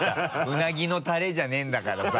うなぎのタレじゃないんだからさ。